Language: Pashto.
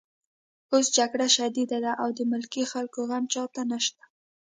اوس جګړه شدیده ده او د ملکي خلکو غم چاته نشته